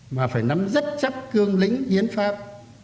mà phải nắm rất chắc cương lĩnh biến pháp